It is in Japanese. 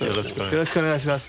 よろしくお願いします。